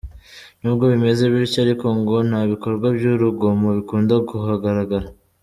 Nubwo bimeze bityo ariko ngo nta bikorwa by’urugomo bikunda kuharagara.